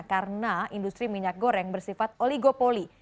karena industri minyak goreng bersifat oligopoli